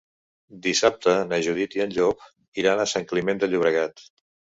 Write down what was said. Dissabte na Judit i en Llop iran a Sant Climent de Llobregat.